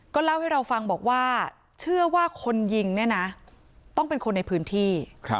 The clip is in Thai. เล่าให้เราฟังบอกว่าเชื่อว่าคนยิงเนี่ยนะต้องเป็นคนในพื้นที่